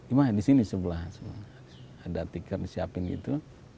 iman disini sebelah ada tiket disiapin gitu